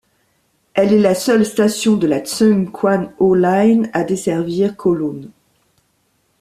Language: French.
Elle est la seule station de la Tseung Kwan O line à desservir Kowloon.